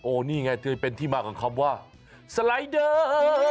โอ้นี่ไงเป็นที่มากกว่าความว่าสไลเดอร์